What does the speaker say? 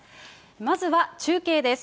まずは中継です。